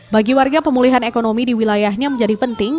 bagi warga pemulihan ekonomi di wilayahnya menjadi penting